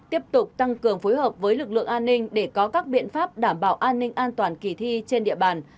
tiếp tục tăng cường phối hợp với lực lượng an ninh để có các biện pháp đảm bảo an ninh an toàn kỳ thi trên địa bàn